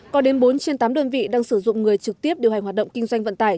có đến bốn trên tám đơn vị đang sử dụng người trực tiếp điều hành hoạt động kinh doanh vận tải